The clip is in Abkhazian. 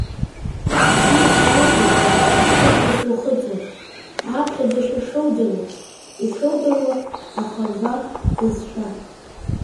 Уи исалҳәеит хәышықәса шылхыҵуа, аԥхьаӡашьа шылдыруа, ишылдыруа ахорват бызшәа.